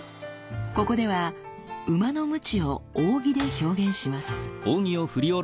ここでは馬のムチを扇で表現します。